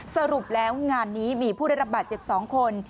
สรุปแล้วงานนี้มีผู้ได้รับบาดเจ็บ๒คน